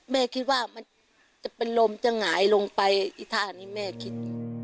แม่คิดว่ามันจะเป็นลมจะหงายลงไปอีท่านี้แม่คิด